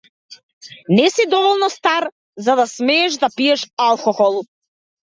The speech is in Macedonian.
Не си доволно стар за да смееш да пиеш алкохол.